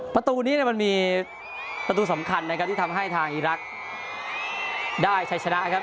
ประตูนี้มันมีประตูสำคัญนะครับที่ทำให้ทางอีรักษ์ได้ใช้ชนะครับ